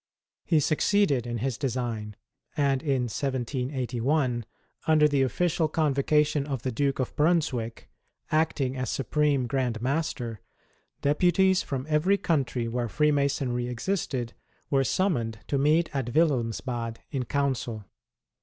He succeeded in his design, and in 1781, under the official convocation of the Duke of Brunswick, acting as Supreme Grand Master, deputies from every country where Freemasonry existed were summoned to meet at Wilhelmsbad in council.